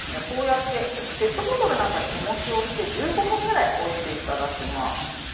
こうやってペットボトルなんかでおもしをして１５分ぐらいおいて頂きます。